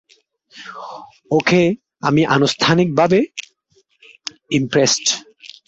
ওকে, আমি আনুষ্ঠানিকভাবে ইম্প্রেসড!